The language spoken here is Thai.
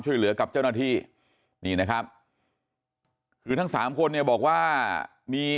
ช่วยเหลือกับเจ้าหน้าที่นี่นะครับคือทั้งสามคนเนี่ยบอกว่ามี